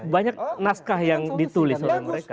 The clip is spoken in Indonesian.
banyak naskah yang ditulis oleh mereka